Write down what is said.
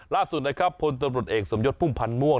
ล่าสุดนะครับพลตำรวจเอกสมยศพุ่มพันธ์ม่วง